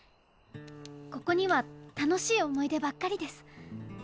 ここには楽しい思い出ばっかりです。